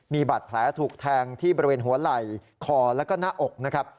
มีบาดแผลถูกแทงที่บริเวณหัวไหล่คอแล้วก็หน้าอกนะครับ